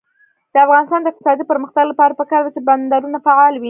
د افغانستان د اقتصادي پرمختګ لپاره پکار ده چې بندرونه فعال وي.